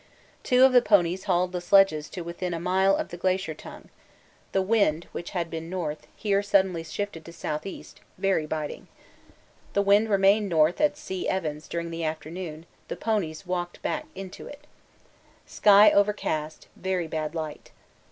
Two of the ponies hauled the sledges to within a mile of the Glacier Tongue; the wind, which had been north, here suddenly shifted to S.E., very biting. (The wind remained north at C. Evans during the afternoon, the ponies walked back into it.) Sky overcast, very bad light.